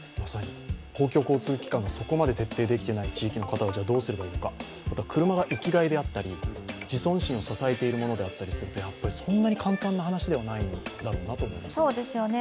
公共交通機関がそこまで徹底できていない地域の方はどうすればいいのか、あとは車が生きがいであったり自尊心を支えているものであったりすると、そんなに簡単な話ではないんだろうと思います。